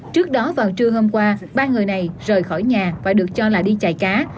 trước đó vào trưa hôm qua ba người này rời khỏi nhà và được cho là đi chạy cá